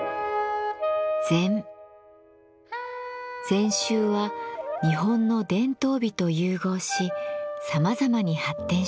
禅宗は日本の伝統美と融合しさまざまに発展してきました。